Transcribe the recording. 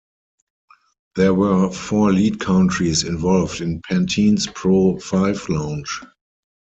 There were four lead countries involved in Pantene's Pro-V launch.